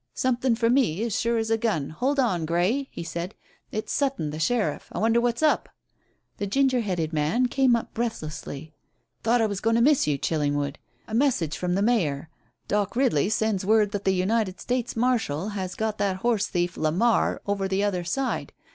"Something for me, as sure as a gun. Hold on, Grey," he said. "It's Sutton, the sheriff. I wonder what's up?" The ginger headed man came up breathlessly. "Thought I was going to miss you, Chillingwood. A message from the Mayor. 'Doc' Ridley sends word that the United States marshal has got that horse thief, Le Mar, over the other side.